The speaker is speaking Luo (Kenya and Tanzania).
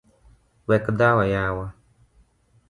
Wek dhawo yawa.